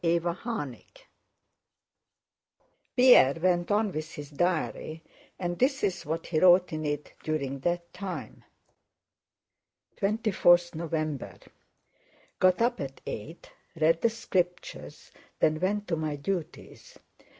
CHAPTER X Pierre went on with his diary, and this is what he wrote in it during that time: 24th November Got up at eight, read the Scriptures, then went to my duties.